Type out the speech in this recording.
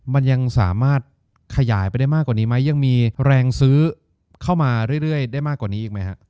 มันยังสามารถขยายไปได้มากกว่านี้ไหมยังมีแรงซื้อเข้ามาเรื่อยได้มากกว่านี้อีกไหมฮะ